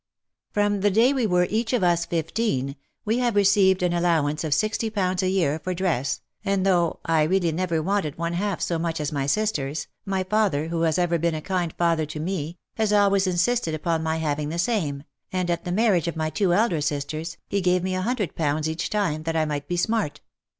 From the day we were each of us fifteen, we have received an allowance of sixty pounds a year for dress, and though I really never wanted one half so much as my sisters, my father, who has ever been a kind father to me, has always insisted upon my having the same, and at the marriage of my two elder sisters, he gave me a hundred pounds each time, that I might be smart.